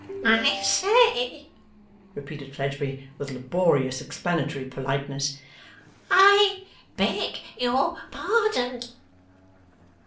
'I say,' repeated Fledgeby, with laborious explanatory politeness, 'I beg your pardon.